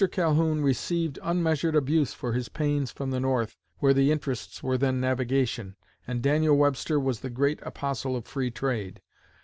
Calhoun received unmeasured abuse for his pains from the North, where the interests were then navigation, and Daniel Webster was the great apostle of free trade....